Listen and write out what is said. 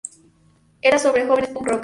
Era sobre jóvenes punk rockers.